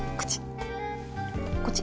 こっち？